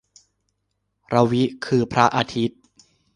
รวิ คือพระอาทิตย์